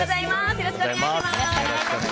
よろしくお願いします。